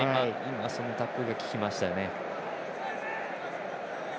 そのタックルが効きましたよね。